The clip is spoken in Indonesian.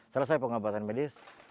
selesai pengobatan medis